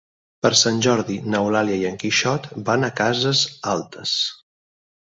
Per Sant Jordi n'Eulàlia i en Quixot van a Cases Altes.